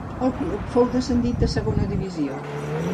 El club fou descendit a segona divisió.